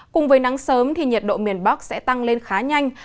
cùng với nắng sớm thì nhiệt độ miền bắc sẽ tăng lên khá nhanh